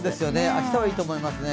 明日はいいと思いますね。